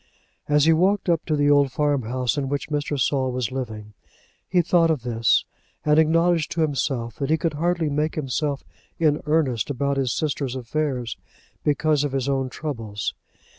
As he walked up to the old farmhouse in which Mr. Saul was living, he thought of this, and acknowledged to himself that he could hardly make himself in earnest about his sister's affairs, because of his own troubles.